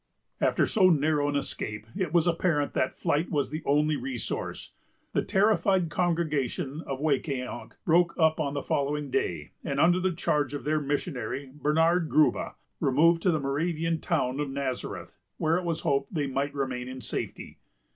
After so narrow an escape, it was apparent that flight was the only resource. The terrified congregation of Wecquetank broke up on the following day; and, under the charge of their missionary, Bernard Grube, removed to the Moravian town of Nazareth, where it was hoped they might remain in safety.